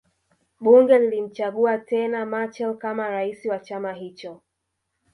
Bunge lilimchagua tena Machel kama Rais wa chama hicho